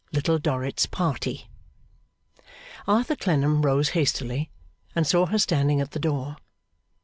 Little Dorrit's Party Arthur Clennam rose hastily, and saw her standing at the door.